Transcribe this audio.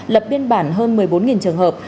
lập biên bản hơn một mươi bốn trường hợp